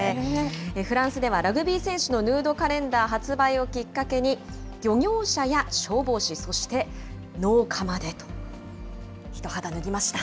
フランスではラグビー選手のヌードカレンダー発売をきっかけに、漁業者や消防士、そして農家までと。一肌脱ぎました。